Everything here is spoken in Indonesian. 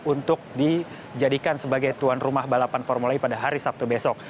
untuk dijadikan sebagai tuan rumah balapan formula e pada hari sabtu besok